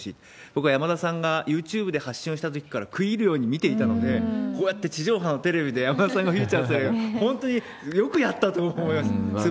僕は山田さんがユーチューブで発信をしたときから食い入るように見ていたので、こうやって地上波のテレビで山田さんがフューチャーされる、本当によくやったと思います。